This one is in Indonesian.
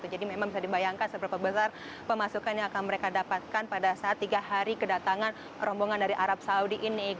jadi memang bisa dibayangkan seberapa besar pemasukan yang akan mereka dapatkan pada saat tiga hari kedatangan rombongan dari arab saudi ini